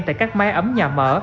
tại các máy ấm nhà mở